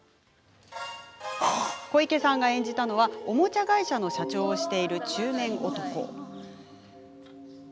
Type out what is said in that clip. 小池さんが演じたのはおもちゃ会社の社長をしている中年男。